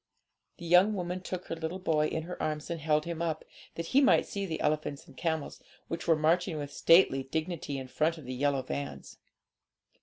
The young woman took her little boy in her arms, and held him up, that he might see the elephants and camels, which were marching with stately dignity in front of the yellow vans.